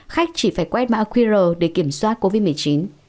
khách chỉ phải quét mã qr để kiểm soát covid một mươi chín